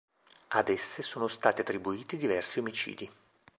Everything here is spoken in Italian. Ad esse sono stati attribuiti diversi omicidi.